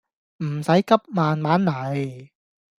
唔使急慢慢嚟